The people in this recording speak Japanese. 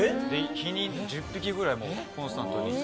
日に１０匹ぐらいコンスタントに。